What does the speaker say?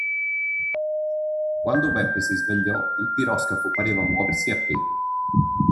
Quando Beppe si svegliò, il piroscafo pareva muoversi appena.